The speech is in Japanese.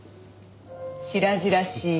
白々しいわ。